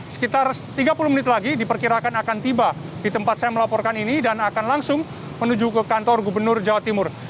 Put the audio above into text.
sekitar tiga puluh menit lagi diperkirakan akan tiba di tempat saya melaporkan ini dan akan langsung menuju ke kantor gubernur jawa timur